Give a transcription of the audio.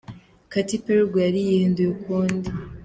Katy Perry ubwo yari yihinduye ukundi.